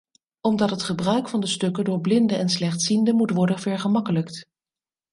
Omdat het gebruik van de stukken door blinden en slechtzienden moet worden vergemakkelijkt.